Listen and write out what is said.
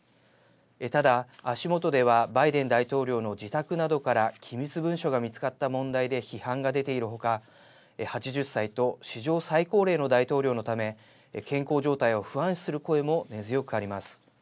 ただ、足元ではバイデン大統領の自宅などから機密文書が見つかった問題で批判が出ている他８０歳と史上最高齢の大統領のため健康状態を不安視する声も根強くあります。